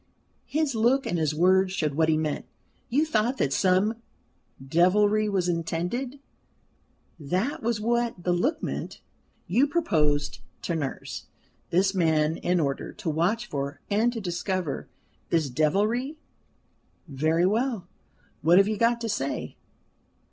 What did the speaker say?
His look and his words showed what he meant. "You thought that some devilry was intended." That was what the look meant. "You proposed to nurse this man in order to watch for and to discover this devilry. Very well, what have you got to say?"